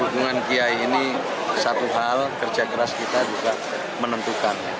hubungan kiai ini satu hal kerja keras kita juga menentukan